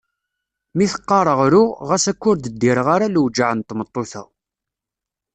Mi t-qqareɣ ruɣ ɣas akka ur d-ddireɣ ara lewjeɛ n tmeṭṭut-a.